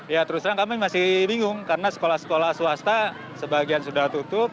ya terus terang kami masih bingung karena sekolah sekolah swasta sebagian sudah tutup